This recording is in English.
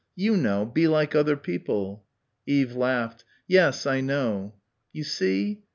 You know be like other people." Eve laughed. "Yes, I know." "You see?